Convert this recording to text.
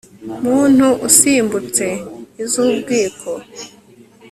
muntu usimbutse iz'ubwiko